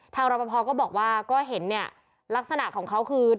ทางรบพก็บอกว่าก็เป็นเหนี้ยรักษณะของเขาคือ